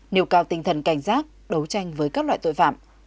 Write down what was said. nêu cao tinh thần cảnh giác đấu tranh với các loại tội phạm